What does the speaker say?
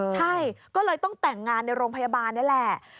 ใช่ก็เลยต้องแต่งงานในโรงพยาบาลนี่แหละ